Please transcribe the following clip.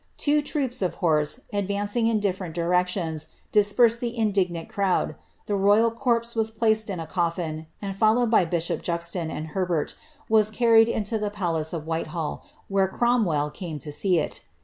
Two troops of horse, advancing in different directions, dispersed the indignant crowd. The royal corpse was placed in a coffin, and, followed by bishop Juxon and Herbert, was carried into the palace of Whitehall, where Cromwell came to see it.